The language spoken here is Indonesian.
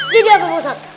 jadi apa bostad